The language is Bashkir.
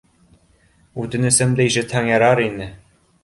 Үтенесемде ишетһәң ярар ине.